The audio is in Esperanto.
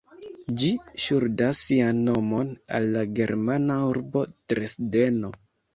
Ĝi ŝuldas sian nomon al la germana urbo Dresdeno.